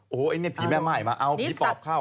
โอโหเอ๊ยนี่ผีแม่ใหม่มาเอาผีปอบเข้า